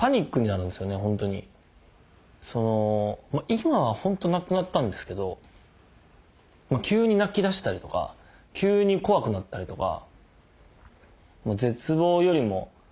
今は本当なくなったんですけど急に泣きだしたりとか急に怖くなったりとか。